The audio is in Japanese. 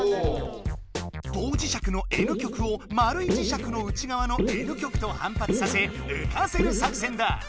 棒磁石のＮ極をまるい磁石の内側のＮ極と反発させうかせる作戦だ！